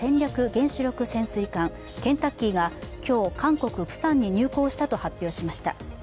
原子力潜水艦「ケンタッキー」が今日、韓国・プサンに入港したと発表しました。